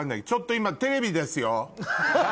ちょっと今テレビですよ。